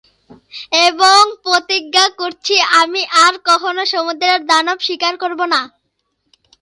এবং প্রতিজ্ঞা করছি আমি আর কখনও সমুদ্রের দানব শিকার করব না।